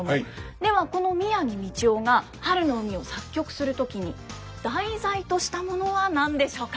ではこの宮城道雄が「春の海」を作曲する時に題材としたものは何でしょうか？